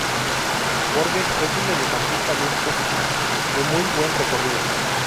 Borges es un mediocampista mixto de muy buen recorrido.